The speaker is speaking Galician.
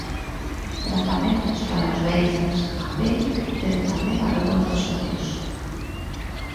Tratamentos para os beizos, a pel, pero tamén arredor dos ollos.